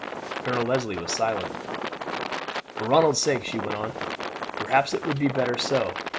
Colonel Leslie was silent. "For Ronald's sake," she went on, "perhaps it would be better so.